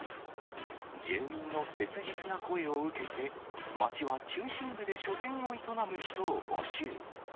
住民の切実な声を受けて、町は中心部で書店を営む人を募集。